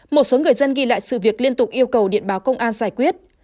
một số người dân ghi lại sự việc liên tục yêu cầu điện báo công an giải quyết